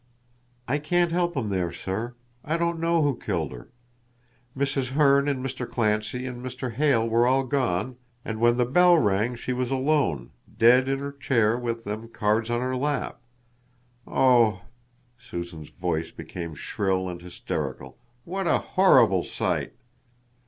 "I can't help him there, sir. I don't know who killed her. Mrs. Herne and Mr. Clancy and Mr. Hale were all gone, and when the bell rang she was alone, dead in her chair with them cards on her lap. Oh," Susan's voice became shrill and hysterical, "what a horrible sight!"